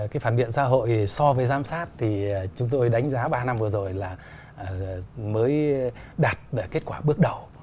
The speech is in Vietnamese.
cái phản biện xã hội so với giám sát thì chúng tôi đánh giá ba năm vừa rồi là mới đạt được kết quả bước đầu